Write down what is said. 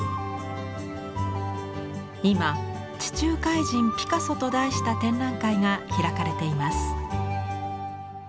今「地中海人ピカソ」と題した展覧会が開かれています。